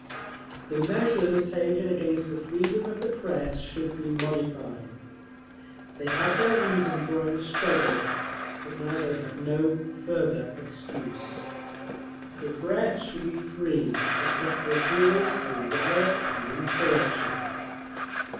"The measures taken against the freedom of the press should be modified. They had their reason during the struggle, but now they have no further excuse. The press should be free, except for appeals to riot and insurrection."